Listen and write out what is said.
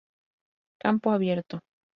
Campo Abierto.